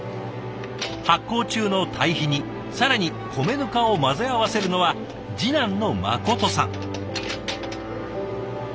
発酵中の堆肥に更に米ぬかを混ぜ合わせるのは次男の心さん。